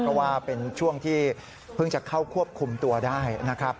เพราะว่าเป็นช่วงที่เพิ่งจะเข้าควบคุมตัวได้นะครับ